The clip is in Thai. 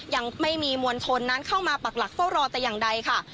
ยังไม่มีมวลชนนั้นเข้ามาปักหลักเฝ้ารอแต่อย่างใดค่ะ